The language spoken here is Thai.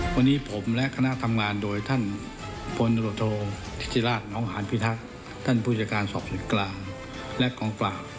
วันนี้ผมและคณะทำงานโดยท่านพรทิศิราชนหานพิทักษ์ท่านผู้จัดการศพศิษย์กลางและของกราบ